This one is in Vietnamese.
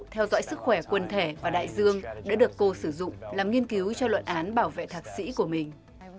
theo dõi sức khỏe quần thể và đại dương đã được cô sử dụng làm nghiên cứu cho luận án bảo vệ thạc sĩ của mình